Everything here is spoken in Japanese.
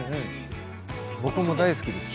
僕も大好きですよ。